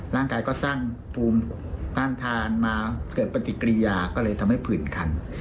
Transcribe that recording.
ร่างกายก็สร้างภูมิต้านทานมาเกิดปฏิกิริยาก็เลยทำให้ผื่นคัน